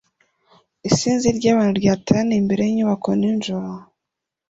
Isinzi ry'abantu ryateraniye imbere y'inyubako nijoro